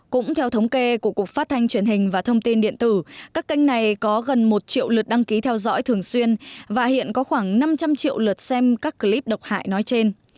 cũng theo thống kê của cục phát thanh truyền hình và thông tin điện tử các kênh này có gần một triệu lượt đăng ký theo dõi thường xuyên và hiện có khoảng năm trăm linh triệu lượt xem các clip độc hại nói trên